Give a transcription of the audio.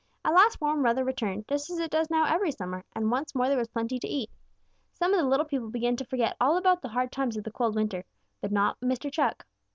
At last warm weather returned, just as it does now every summer, and once more there was plenty to eat. Some of the little people seemed to forget all about the hard times of the cold weather, but not Mr. Chuck.